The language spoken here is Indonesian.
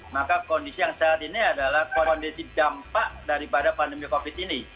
maka kondisi yang saat ini adalah kondisi dampak daripada pandemi covid ini